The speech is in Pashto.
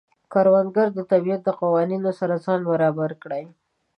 کروندګر د طبیعت د قوانینو سره ځان برابر کړي